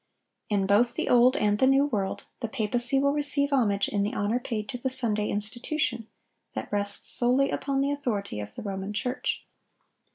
(1020) In both the Old and the New World, the papacy will receive homage in the honor paid to the Sunday institution, that rests solely upon the authority of the Roman Church.